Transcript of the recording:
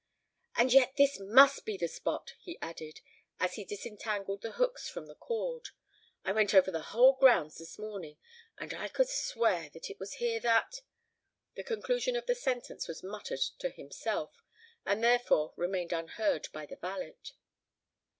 "And yet this must be the spot!" he added, as he disentangled the hooks from the cord. "I went over the whole grounds this morning—and I could swear it was here that——" The conclusion of the sentence was muttered to himself, and therefore remained unheard by the valet.